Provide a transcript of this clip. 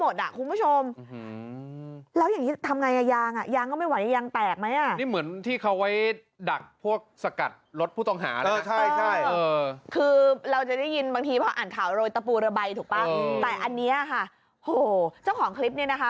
แต่อันนี้ค่ะโอ้โฮเจ้าของคลิปนี้นะคะ